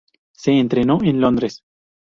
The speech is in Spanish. Se entrenó en Londres.